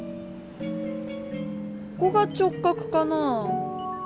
ここが直角かなぁ？